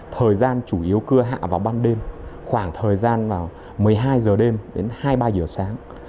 thời gian chủ yếu cưa hạ vào ban đêm khoảng thời gian vào một mươi hai h đêm đến hai mươi ba h sáng